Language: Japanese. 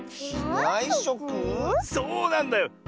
そうなんだよ。